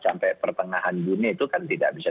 sampai pertengahan juni itu kan tidak bisa